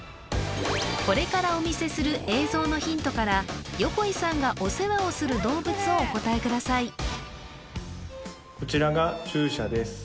これからお見せする映像のヒントから横井さんがお世話をする動物をお答えください